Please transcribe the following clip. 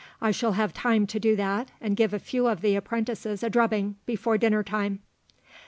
I shall have time to do that and give a few of the apprentices a drubbing before dinner time."